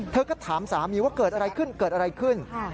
เธอก็ถามสามีว่าเกิดอะไรขึ้นขึ้น